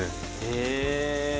へえ。